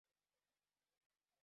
Laa jag pay tir, tir, tir.